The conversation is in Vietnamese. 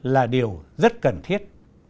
là điều rất cần thiết